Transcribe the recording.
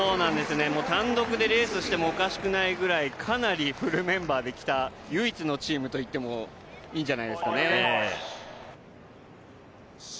単独でレースをしてもおかしくないくらいかなりフルメンバーできた唯一のチームといっていいんじゃないでしょうかね。